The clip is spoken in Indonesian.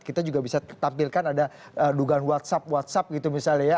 kita juga bisa tampilkan ada dugaan whatsapp whatsapp gitu misalnya ya